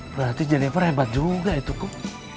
berarti jeniper hebat juga itu kum